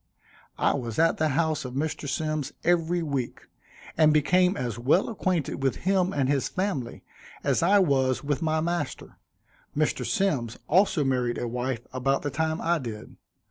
I was at the house of Mr. Symmes every week; and became as well acquainted with him and his family, as I was with my master. Mr. Symmes also married a wife about the time I did.